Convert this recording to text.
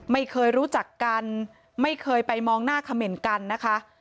ไม่เคยรู้จักกันไม่เคยไปมองหน้าเขม่นกันนะคะ